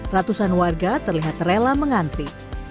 ratusan warga terlihat rela mengantri